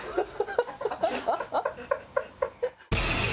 ハハハハ！